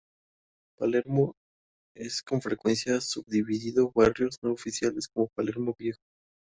Palermo es con frecuencia subdividido en barrios no oficiales como Palermo Viejo.